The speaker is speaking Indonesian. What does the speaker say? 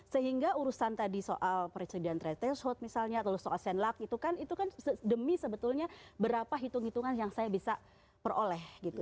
sehingga urusan tadi soal presiden treset misalnya lalu soal senlak itu kan demi sebetulnya berapa hitung hitungan yang saya bisa peroleh gitu